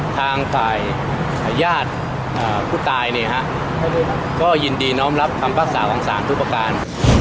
ทางฝ่ายญาติผู้ตายเนี่ยฮะก็ยินดีน้อมรับคำภาษาของศาลทุกประการ